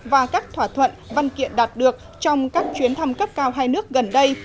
và các thỏa thuận văn kiện đạt được trong các chuyến thăm cấp cao hai nước gần đây